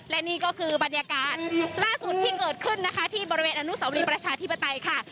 และนี่ก็คือบรรยากาศล่าสุดที่เกิดขึ้นนะคะที่บริเวณอนุสาวรีประชาธิปไตยค่ะ